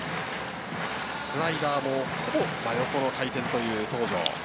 スライダーもほぼ真横の回転という東條。